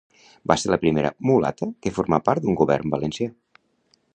Va ser la primera mulata que formà part d'un govern valencià.